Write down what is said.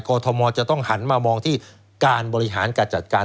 ทมจะต้องหันมามองที่การบริหารการจัดการ